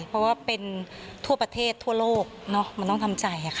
เพราะว่าเป็นทั่วประเทศทั่วโลกมันต้องทำใจค่ะ